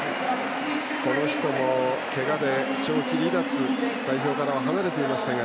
この人もけがで長期離脱代表からは離れていましたが